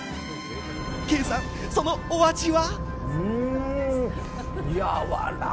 兄さん、そのお味は。